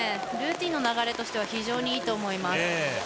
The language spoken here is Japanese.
ルーティンの流れとしては非常にいいと思います。